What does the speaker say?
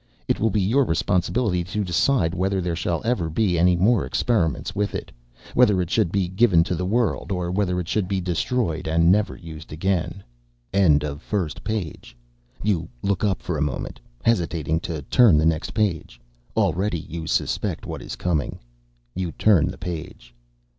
It will be your responsibility to decide whether there shall ever be any more experiments with it, whether it should be given to the world, or whether it should be destroyed and never used again." End of the first page. You look up for a moment, hesitating to turn the next page. Already you suspect what is coming. You turn the page.